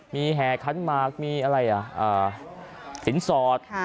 มีแห่คันมากมีสินสอด